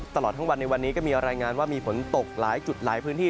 ตลอดทั้งวันในวันนี้ก็มีรายงานว่ามีฝนตกหลายจุดหลายพื้นที่